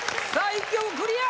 １曲クリア